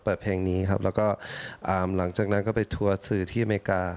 เปิดเพลงนี้ครับแล้วก็หลังจากนั้นก็ไปทัวร์สื่อที่อเมริกา